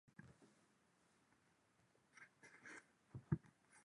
The sentence was later commuted to twenty years' imprisonment.